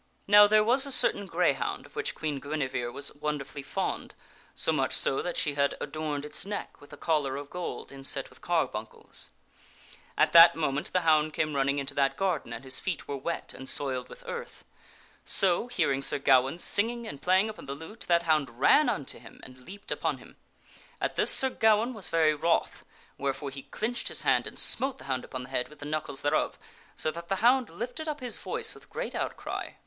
Now there was a certain greyhound of which Queen Guinevere was wonderfully fond ; so much so that she had adorned its neck with a collar ~.~. of gold inset with carbuncles. At that moment the hound Sir Gawaine . m striketh the came running into that garden and his feet were wet and Queen's hound. so j} e( j w j t } 1 earth. So, hearing Sir Gawaine singing and play ing upon the lute, that hound ran unto him and leaped upon him. At this Sir Gawaine was very wroth, wherefore he clinched his hand and smote the hound upon the head with the knuckles thereof, so that the hound lifted up his voice with great outcry.